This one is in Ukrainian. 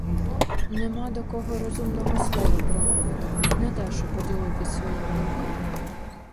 Нема до кого розумного слова промовить, не то що поділиться моїми думками.